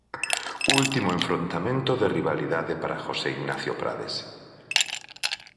Último enfrontamento de rivalidade para Jose Ignacio Prades.